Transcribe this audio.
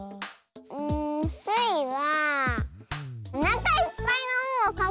んスイはおなかいっぱいの「ん」をかく。